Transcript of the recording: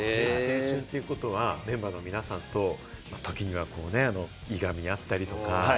ということは、メンバーの皆さんと時にはいがみ合ったりとか。